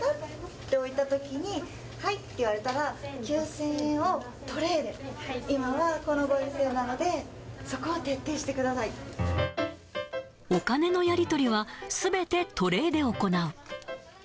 って置いたときに、はいって言われたら、９０００円をトレイに、今はこのご時世なので、そこを徹底してくお金のやり取りはすべてトレイで行う。